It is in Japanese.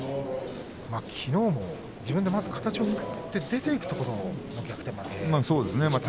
きのうも自分で形を作って出ていくところの逆転負け。